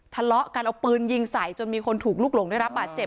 ทะเลาะกันเอาปืนยิงใส่จนมีคนถูกลุกหลงได้รับบาดเจ็บ